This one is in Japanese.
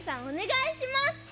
おねがいします！